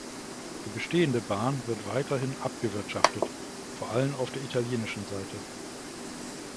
Die bestehende Bahn wird weiterhin abgewirtschaftet, vor allem auf der italienischen Seite.